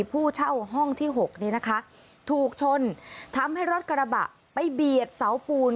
ผู้เช่าห้องที่๖นี้นะคะถูกชนทำให้รถกระบะไปเบียดเสาปูน